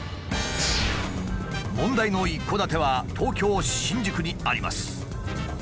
問題の一戸建ては東京新宿にあります。